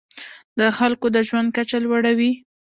د خلکو د ژوند کچه لوړوي.